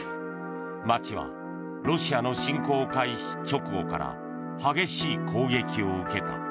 街はロシアの侵攻開始直後から激しい攻撃を受けた。